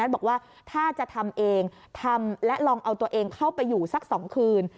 บอกว่าถ้าจะทำเองทำและลองเอาตัวเองเข้าไปอยู่สัก๒คืน